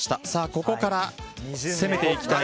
ここから攻めていきたい